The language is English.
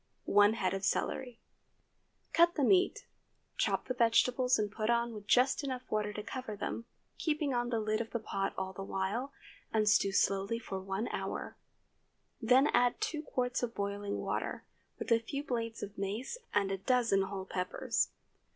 1 head of celery. Cut up the meat; chop the vegetables, and put on with just enough water to cover them, keeping on the lid of the pot all the while, and stew slowly for one hour. Then add two quarts of boiling water, with a few blades of mace and a dozen whole peppers.